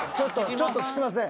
ちょっとすいません。